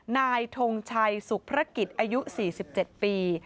นายทงชัยสุขภกิจอายุสี่สิบเจ็ดปี